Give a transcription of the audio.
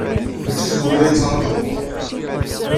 Maci d kenwi ay la ttṛajuɣ.